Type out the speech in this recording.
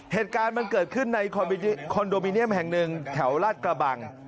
เหตุการณ์มันเกิดขึ้นในคอนดโดมิเนียมแถวราชกระบัง